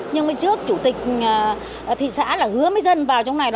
nhưng trước chủ tịch thị xã là hứa mấy dân vào trong này